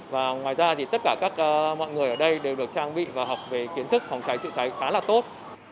và ngoài ra thì tất cả các mọi người ở đây đều được trang bị và học về kiến thức phòng cháy chữa cháy khá là tốt